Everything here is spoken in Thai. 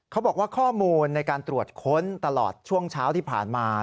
เขาบอกว่าข้อมูลในการตรวจค้นตลอดช่วงเช้าที่ผ่านมา